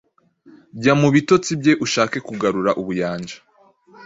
Jya mu bitotsi bye ushake kugarura ubuyanja